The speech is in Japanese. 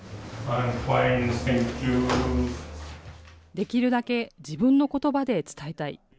できるだけ自分のことばで伝えたい。